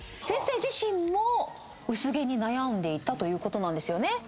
先生自身も薄毛に悩んでいたということなんですよね？